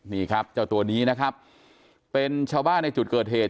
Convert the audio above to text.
นี่ครับเจ้าตัวนี้นะครับเป็นชาวบ้านในจุดเกิดเหตุ